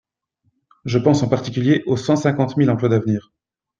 Je pense en particulier aux cent cinquante mille emplois d’avenir.